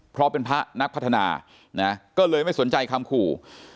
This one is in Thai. เพราะเป็นพระนักพัฒนานะก็เลยไม่สนใจคำขู่